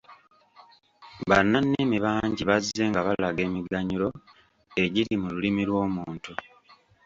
Bannannimi bangi bazze nga balaga emiganyulo egiri mu lulimi lw’omuntu.